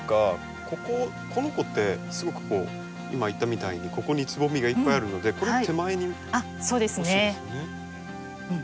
この子ってすごく今言ったみたいにここにつぼみがいっぱいあるのでこれ手前に欲しいですよね。